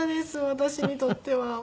私にとっては。